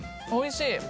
おいしい！